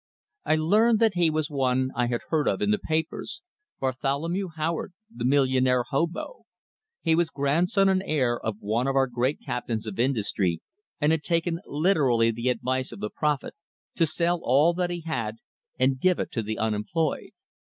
I learned that he was one I had heard of in the papers Bartholomew Howard, the "millionaire hobo;" he was grandson and heir of one of our great captains of industry, and had taken literally the advice of the prophet, to sell all that he had and give it to the unemployed.